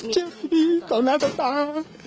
เจ็บที่พี่ต่อหน้าต่อตา